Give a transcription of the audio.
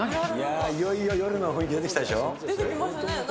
いよいよ夜の雰囲気出てきた出てきましたね。